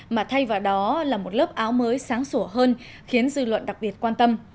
mà thay vào đó là một lớp áo mới sáng sủa hơn khiến dư luận đặc biệt quan tâm